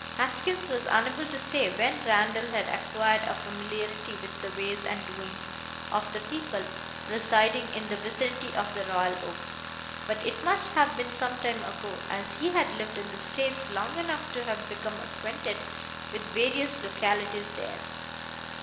Haskins was unable to say when Randall had acquired a familiarity with the ways and doings of the people residing in the vicinity of the Royal Oak, but it must have been some time ago, as he had lived in the States long enough to have become acquainted with various localities there.